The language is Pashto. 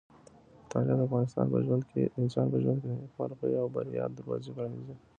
مطالعه د انسان په ژوند کې د نېکمرغۍ او بریا دروازې پرانیزي.